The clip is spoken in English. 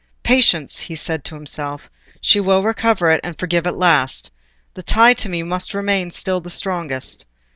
"Patience!" he said to himself. "She will recover it, and forgive at last. The tie to me must still remain the strongest."